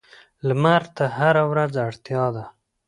لمر ته هره ورځ اړتیا ده.